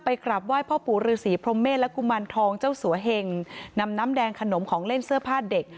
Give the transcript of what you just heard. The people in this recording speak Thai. กราบไหว้พ่อปู่ฤษีพรหมเมษและกุมารทองเจ้าสัวเหงนำน้ำแดงขนมของเล่นเสื้อผ้าเด็ก